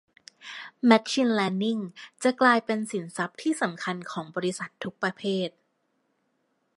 แมชชีนเลิร์นนิ่งจะกลายเป็นสินทรัพย์ที่สำคัญของบริษัททุกประเภท